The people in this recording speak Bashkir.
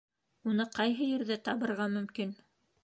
Уны ҡайһы ерҙә табырға мөмкин?